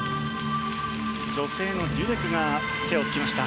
女性のデュデクが手をつきました。